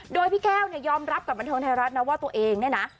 โดยพี่แก้วเนี่ยยอมรับกับบันเทิงไทยรัฐนะว่าตัวเองเนี่ยนะ